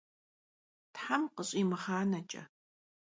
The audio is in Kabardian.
Them khış' yimığaneç'e!